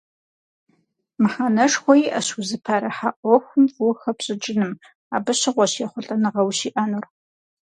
Мыхьэнэшхуэ иӀэщ узыпэрыхьэ Ӏуэхум фӀыуэ хэпщӀыкӀыным, абы щыгъуэщ ехъулӀэныгъэ ущиӀэнур.